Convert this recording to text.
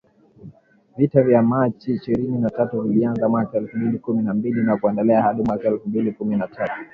Vita vya Machi ishirini na tatu vilianza mwaka elfu mbili kumi na mbili na kuendelea hadi mwaka elfu mbili kumi na tatu